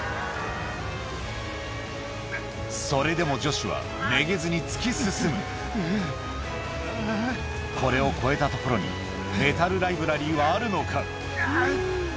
それでもジョシュはめげずに突き進むこれを越えた所にメタル・ライブラリーはあるのか？